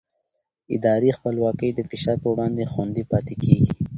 اداري خپلواکي د فشار پر وړاندې خوندي پاتې کېږي